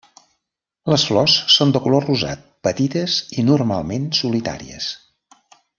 Les flors són de color rosat, petites i normalment solitàries.